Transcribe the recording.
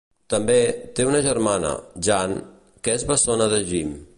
També, té una germana, Jan, que és bessona de Jim.